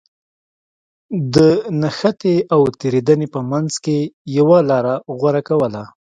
د نښتې او تېرېدنې په منځ کې يوه لاره غوره کوله.